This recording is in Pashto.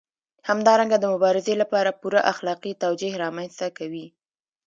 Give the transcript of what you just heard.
همدارنګه د مبارزې لپاره پوره اخلاقي توجیه رامنځته کوي.